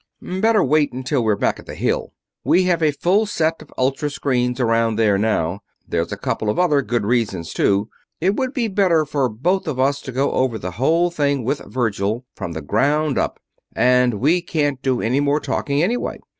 Better wait until we're back at the Hill. We have a full set of ultra screens around there now. There's a couple of other good reasons, too it would be better for both of us to go over the whole thing with Virgil, from the ground up; and we can't do any more talking, anyway.